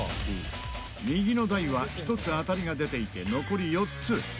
右の台は１つ当たりが出ていて残り４つ。